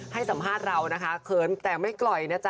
ให้สัมภาษณ์เรานะคะเขินแต่ไม่ปล่อยนะจ๊